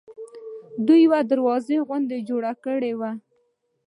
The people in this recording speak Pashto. دوی یوه دروازه غوندې جوړه کړې وه.